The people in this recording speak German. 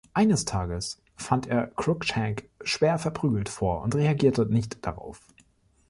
Eines Tages fand er Crookshank schwer verprügelt vor und reagierte nicht darauf.